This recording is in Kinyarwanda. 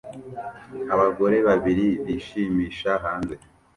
Abagore babiri bishimisha hanze